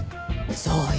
そうよ。